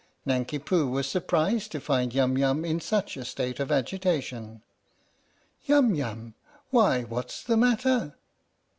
Nanki Poo was surprised to find Yum Yum in such a state of agitation. " Yum YumI Why, what's the matter?"